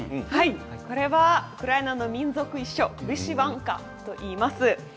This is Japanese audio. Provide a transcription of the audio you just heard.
これはウクライナの民族衣装ヴィシヴァンカといいます。